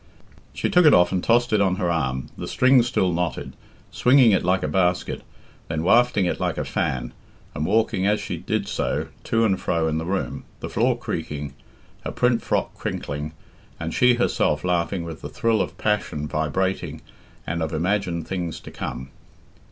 She took it off and tossed it on her arm, the strings still knotted, swinging it like a basket, then wafting it like a fan, and walking as she did so to and fro in the room, the floor creaking, her print frock crinkling, and she herself laughing with the thrill of passion vibrating and of imagined things to come.